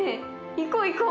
行こう行こう。